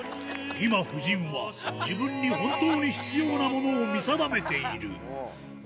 今、夫人は自分に本当に必要なものを見定めている。